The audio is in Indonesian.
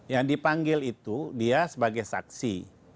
yang dipanggil itu dia sebagai saksi